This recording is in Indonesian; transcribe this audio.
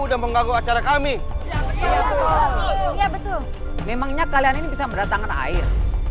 udah mengganggu acara kami ya betul memangnya kalian ini bisa berdatangan air